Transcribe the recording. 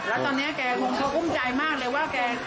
แล้วตอนนี้แกคงเขาอุ้มใจมากเลยว่าแก